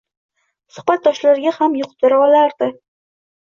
Suhbatdoshlariga ham yuqtira olardi.